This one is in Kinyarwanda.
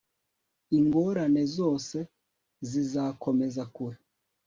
Ingorane zose zizakomeza kure